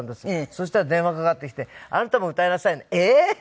そしたら電話かかってきて「あなたも歌いなさいね」「ええー！」。